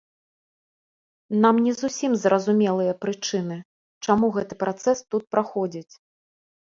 Нам не зусім зразумелыя прычыны, чаму гэты працэс тут праходзіць.